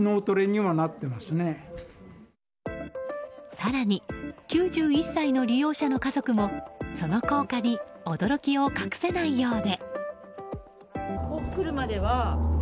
更に、９１歳の利用者の家族もその効果に驚きを隠せないようで。